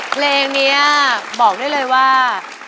เพลงนี้บอกได้เลยว่า